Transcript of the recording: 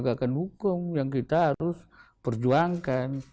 penegakan hukum yang kita harus perjuangkan